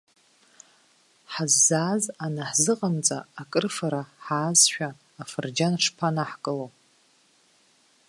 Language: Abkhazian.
Ҳаззааз анаҳзыҟамҵа, акрыфара ҳаазшәа, афырџьан шԥанаҳкыло.